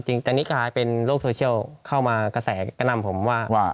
จริงตอนนี้กลายเป็นโลกโซเชียลเข้ามากระแสกระนำผมว่า